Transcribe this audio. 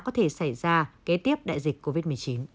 có thể xảy ra kế tiếp đại dịch covid một mươi chín